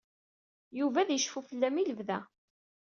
Yuba ad yecfu fell-am i lebda.